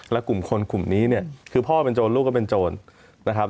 และกลุ่มคนกลุ่มนี้เนี่ยคือพ่อเป็นโจรลูกก็เป็นโจรนะครับ